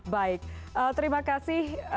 baik terima kasih